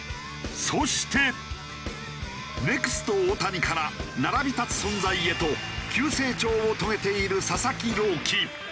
そしてネクスト大谷から並び立つ存在へと急成長を遂げている佐々木朗希。